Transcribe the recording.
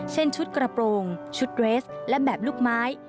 เช่นชุดกระโปรงชุดเรสและแบบลูกไม้